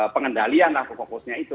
pengendalian atau fokusnya itu